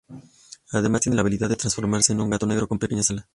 Además, tiene la habilidad de transformarse en un gato negro con pequeñas alas.